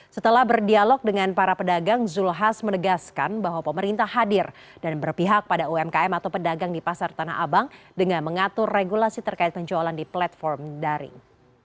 setelah berdialog dengan para pedagang zulkifli hasan menegaskan bahwa pemerintah hadir dan berpihak pada umkm atau pedagang di pasar tanah abang dengan mengatur regulasi terkait penjualan di platform daring